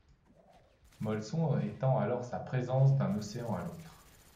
Molson étend alors sa présence d'un océan à l'autre.